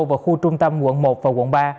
vào khu trung tâm quận một và quận ba